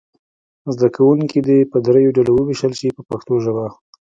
زده کوونکي دې په دریو ډلو وویشل شي په پښتو ژبه.